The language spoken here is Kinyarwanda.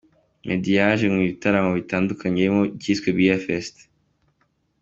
Meddy yaje mu bitaramo bitandukanye birimo icyiswe Beer Fest.